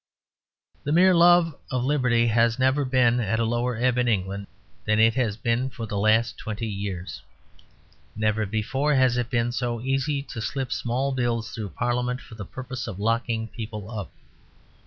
The mere love of liberty has never been at a lower ebb in England than it has been for the last twenty years. Never before has it been so easy to slip small Bills through Parliament for the purpose of locking people up.